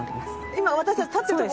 今私たち立ってる所も？